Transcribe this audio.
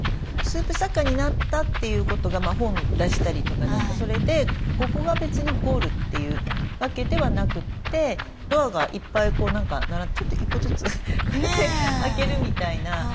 スープ作家になったっていうことがまあ本出したりとか何かそれでここが別にゴールというわけではなくてドアがいっぱい並んでちょっと１個ずつ開けるみたいなこともありなのかなと。